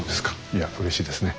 いやうれしいですね。